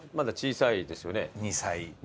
２歳。